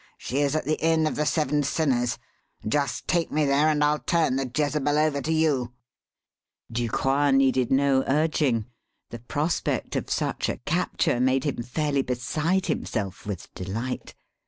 She is at the Inn of the Seven Sinners. Just take me there and I'll turn the Jezebel over to you." Ducroix needed no urging. The prospect of such a capture made him fairly beside himself with delight.